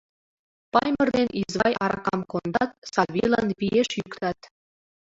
Паймыр ден Извай аракам кондат, Савийлан виеш йӱктат.